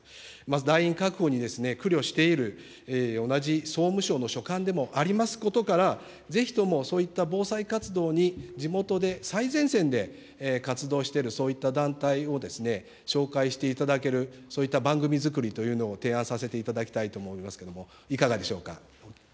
団員確保に苦慮している同じ総務省の所管でもありますことから、ぜひとも、そういった防災活動に地元で最前線で活動している、そういった団体を紹介していただける、そういった番組作りというのを提案させていただきたいと思いますけれども、いかがでしょうか。